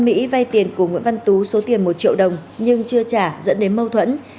mỹ vay tiền của nguyễn văn tú số tiền một triệu đồng nhưng chưa trả dẫn đến mâu thuẫn